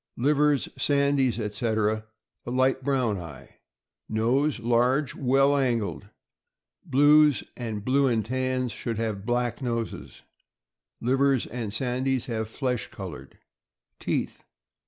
Livers, sandies, etc. , a light brown eye. Nose. — Large, well angled. Blues and blue and tans should have black noses; livers and sandies have flesh col ored. Teeth.